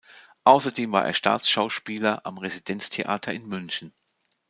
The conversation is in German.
Außerdem war er Staatsschauspieler am Residenztheater in München.